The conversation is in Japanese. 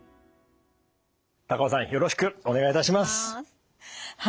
高尾さんよろしくお願いいたします。